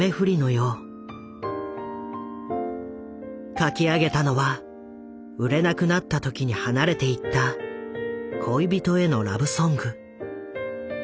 書き上げたのは売れなくなった時に離れていった恋人へのラブソング。